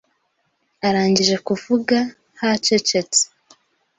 Arangije kuvuga, hacecetse